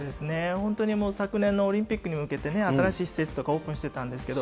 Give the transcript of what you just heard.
本当に昨年のオリンピックに向けて、新しい施設とかオープンしてたんですけど。